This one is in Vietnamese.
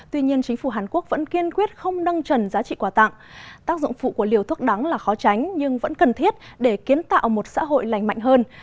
tuy nhiên chính phủ hàn quốc vẫn kiên quyết không nâng trần giá trị quà tặng tác dụng phụ của liều thuốc đắng là khó tránh nhưng vẫn cần thiết để kiến tạo một xã hội lành mạnh hơn